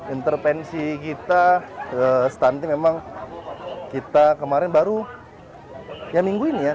intervensi kita stunting memang kita kemarin baru ya minggu ini ya minggu ini kita rapat ya